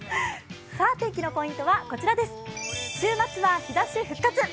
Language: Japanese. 天気のポイントは、こちらです週末は日ざし復活！